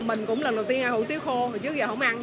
mình cũng lần đầu tiên hủ tiếu khô trước giờ không ăn